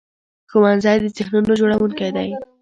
ښوونځی د ذهنونو جوړوونکی دی